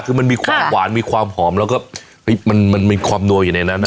คือมันมีความหวานมีความหอมแล้วก็มันมีความนัวอยู่ในนั้น